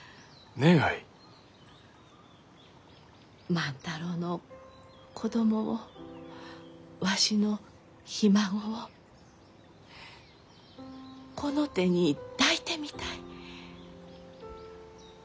万太郎の子供をわしのひ孫をこの手に抱いてみたい。